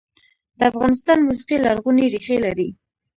د افغانستان موسیقي لرغونې ریښې لري